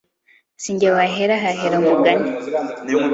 si jye wahera hahera umugani